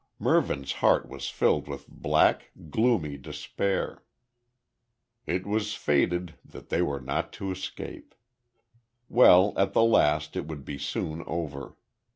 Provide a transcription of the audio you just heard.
Mervyn's heart was filled with black, gloomy despair. It was fated they were not to escape. Well, at the last it would be soon over.